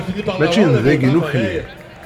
Mačči n dayi nekni.